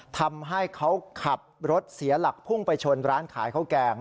ทำให้เขาขับรถเสียหลักพุ่งไปชนร้านขายข้าวแกง